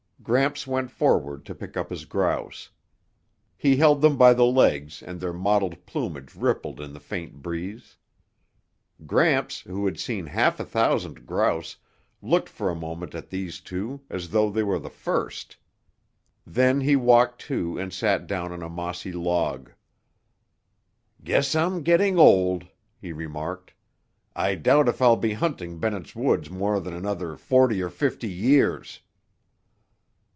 Gramps went forward to pick up his grouse. He held them by the legs and their mottled plumage rippled in the faint breeze. Gramps, who had seen half a thousand grouse, looked for a moment at these two as though they were the first. Then he walked to and sat down on a mossy log. "Guess I'm getting old," he remarked. "I doubt if I'll be hunting Bennett's Woods more than another forty or fifty years."